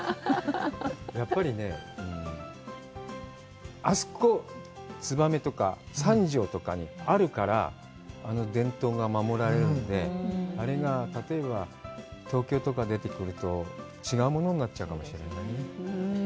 やっぱりね、あそこ、燕とか三条とかにあるから、あの伝統が守られるんで、あれが例えば東京とかに出てくると、違うものになっちゃうかもしれないね。